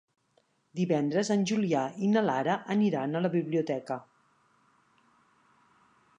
Divendres en Julià i na Lara aniran a la biblioteca.